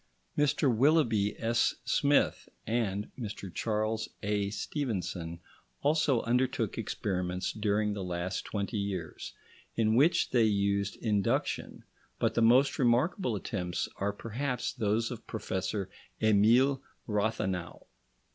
Mr Willoughby S. Smith and Mr Charles A. Stevenson also undertook experiments during the last twenty years, in which they used induction, but the most remarkable attempts are perhaps those of Professor Emile Rathenau.